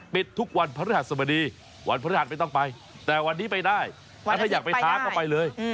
ปิดทุกวันพระธรรมดีวันพระธรรมไม่ต้องไปแต่วันนี้ไปได้ถ้าอยากไปทานก็ไปเลย